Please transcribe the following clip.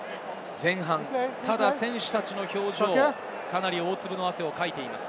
ただ選手たちの表情を見ると、大粒の汗をかいています。